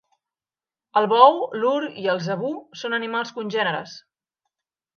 El bou, l'ur i el zebú són animals congèneres.